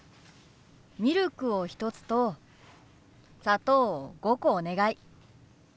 ミルクを１つと砂糖を５個お願い。